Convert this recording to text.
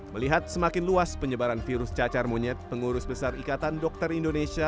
melihat semakin luas penyebaran virus cacar monyet pengurus besar ikatan dokter indonesia